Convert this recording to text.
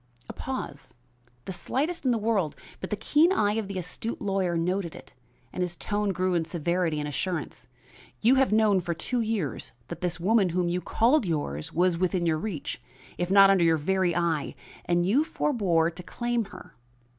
A pause, the slightest in the world, but the keen eye of the astute lawyer noted it, and his tone grew in severity and assurance. "You have known for two years that this woman whom you called yours was within your reach, if not under your very eye, and you forbore to claim her.